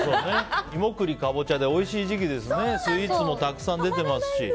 芋栗カボチャでおいしい時期ですしスイーツもたくさん出てますし。